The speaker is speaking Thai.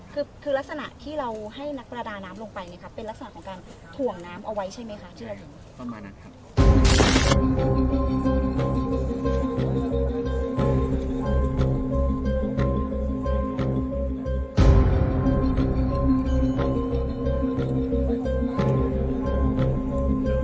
คือคือลักษณะที่เราให้นักประดาน้ำลงไปเนี่ยครับเป็นลักษณะของการถ่วงน้ำเอาไว้ใช่ไหมคะ